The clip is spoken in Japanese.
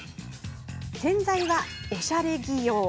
洗剤はおしゃれ着用。